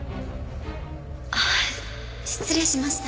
あっ失礼しました。